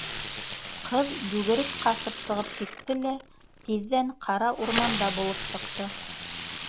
Ҡыҙ йүгереп ҡасып сығып китте лә тиҙҙән ҡара урманда булып сыҡты.